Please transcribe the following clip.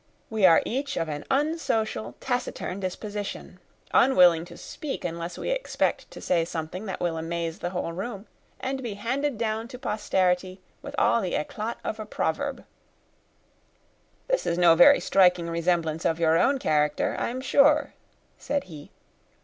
We are each of an unsocial, taciturn disposition, unwilling to speak, unless we expect to say something that will amaze the whole room, and be handed down to posterity with all the éclat of a proverb." "This is no very striking resemblance of your own character, I am sure," said he.